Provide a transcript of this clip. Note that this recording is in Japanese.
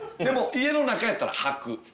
でも家の中やったら吐く。